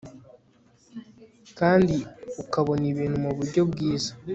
kandi ukabona ibintu mu buryo bwiza